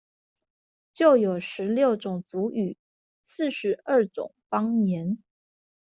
就有十六種族語、四十二種方言